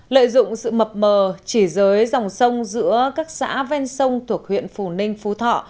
lợi dụng sự mập mờ chỉ dưới dòng sông giữa các xã ven sông thuộc huyện phù ninh phú thọ